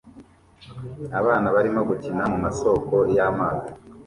abana barimo gukina mu masoko y'amazi